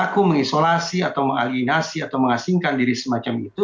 pelaku mengisolasi atau mengalienasi atau mengasingkan diri semacam itu